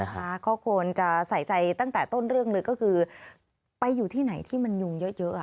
ก็ควรจะใส่ใจตั้งแต่ต้นเรื่องเลยก็คือไปอยู่ที่ไหนที่มันยุงเยอะ